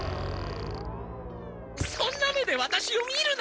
そんな目でワタシを見るな！